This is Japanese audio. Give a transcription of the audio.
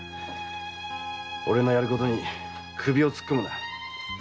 俺のやることに首を突っ込むな。